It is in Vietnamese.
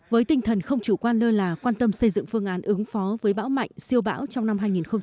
với tinh thần không chủ quan lơ là quan tâm xây dựng phương án ứng phó với bão mạnh siêu bão trong năm hai nghìn hai mươi